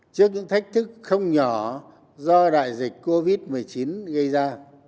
trước những thách thức không nhỏ do đại dịch covid một mươi chín gây ra